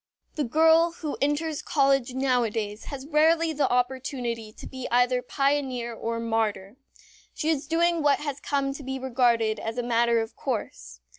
The girl who enters college nowadays has rarely the opportunity to be either pioneer or martyr. She is doing what has come to be regarded as a matter of course.